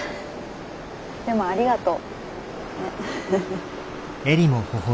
でもありがとう。